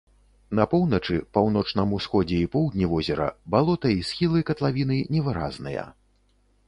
На поўначы, паўночным усходзе і поўдні возера балота і схілы катлавіны невыразныя.